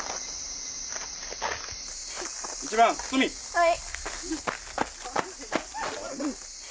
・はい。